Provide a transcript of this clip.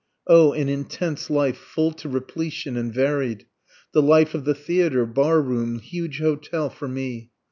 O an intense life, full to repletion and varied! The life of the theatre, bar room, huge hotel, for me!